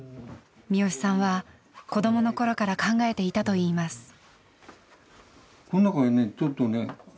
視良さんは子どもの頃から考えていたといいます。